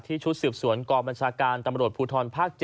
ชุดสืบสวนกองบัญชาการตำรวจภูทรภาค๗